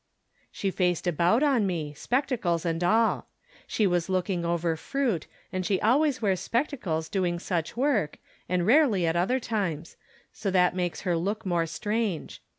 She faced about on me, spectacles and all. She was looking over fruit, and she always wears spectacles during such work, and rarely at other times : so that makes her look more strange.